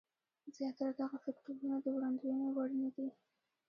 زیاتره دغه فکټورونه د وړاندوینې وړ نه دي.